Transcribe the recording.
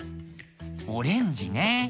オレンジね。